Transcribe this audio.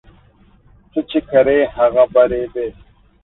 څه چي کرې، هغه به رېبې.